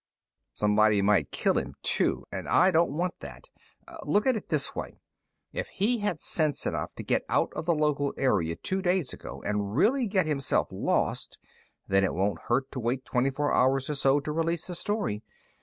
"Somebody might kill him, too, and I don't want that. Look at it this way: If he had sense enough to get out of the local area two days ago and really get himself lost, then it won't hurt to wait twenty four hours or so to release the story.